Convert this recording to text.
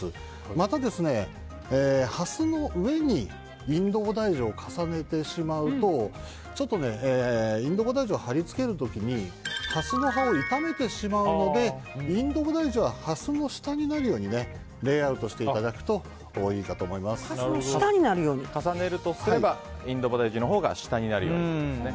また、ハスの上にインドボダイジュを重ねてしまうとちょっとインドボダイジュを貼り付ける時にハスの葉を傷めてしまうのでインドボダイジュはハスの下になるようにレイアウトしていただくと重ねるとすればインドボダイジュのほうが下になるようにと。